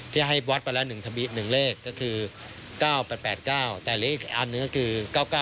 พี่ให้วดไปแล้ว๑เลข๙๙๘๙แต่อีกอันนึงก็คือ๙๙๘๘